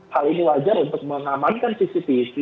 hal ini wajar untuk mengamankan cctv